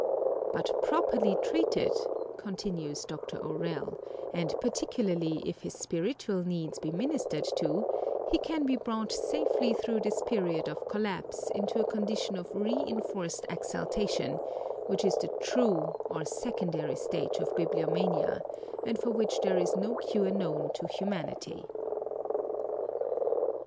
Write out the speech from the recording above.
"But properly treated," continues Dr. O'Rell, "and particularly if his spiritual needs be ministered to, he can be brought safely through this period of collapse into a condition of reenforced exaltation, which is the true, or secondary stage of, bibliomania, and for which there is no cure known to humanity."